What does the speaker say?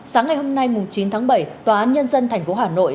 sáng ngày hôm nay chín tháng bảy tòa án nhân dân tp hà nội